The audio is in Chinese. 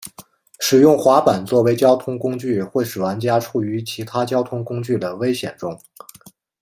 使用滑板作为交通工具会使玩家处于其他交通工具的危险中。